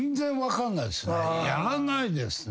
やらないですね。